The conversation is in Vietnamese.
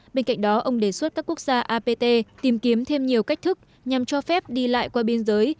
bên cạnh đó ông đề xuất các quốc gia apt tìm kiếm thêm nhiều cách thức nhằm cho phép đi lại qua biên giới